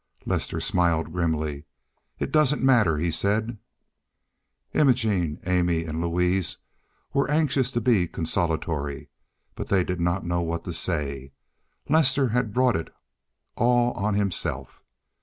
Lester smiled grimly. "It doesn't matter," he said. Imogene, Amy, and Louise were anxious to be consolatory, but they did not know what to say. Lester had brought it all on himself.